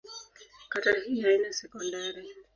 Kata hii haina sekondari.